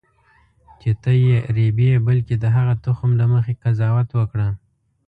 چې ته یې رېبې بلکې د هغه تخم له مخې قضاوت وکړه.